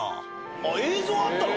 あっ映像あったの？